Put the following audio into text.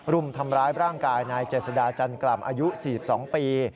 รุมทำร้ายร่างกายนายเจษดาจันกล่ำอายุ๔๒ปี